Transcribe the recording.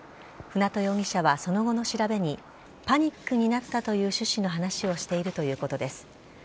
舟渡容疑者はその後の調べに、パニックになったという趣旨の話をしているということです。